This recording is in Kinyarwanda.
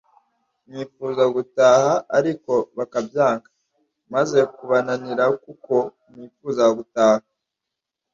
nkifuza gutaha ariko bakabyanga, maze kubananira kuko nifuzaga gutaha